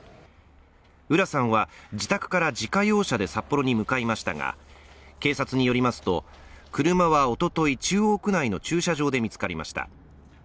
浦さんは自宅から自家用車で札幌に向かいましたが、警察によりますと、車はおととい中央区内の駐車場で見つかりました。